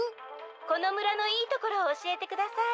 「このむらのいいところをおしえてください」。